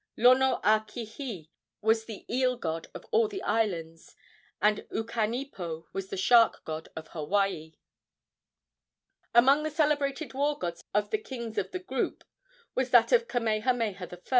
Lonoakihi was the eel god of all the islands, and Ukanipo was the shark god of Hawaii. Among the celebrated war gods of the kings of the group was that of Kamehameha I.